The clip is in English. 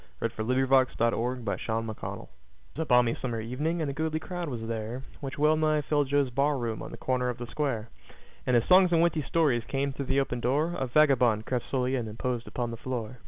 W X . Y Z The Face on the Barroom Floor 'TWAS a balmy summer evening, and a goodly crowd was there, Which well nigh filled Joe's barroom, on the corner of the square; And as songs and witty stories came through the open door, A vagabond crept slowly in and posed upon the floor.